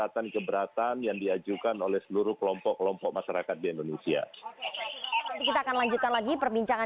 saya juga tidak mengerti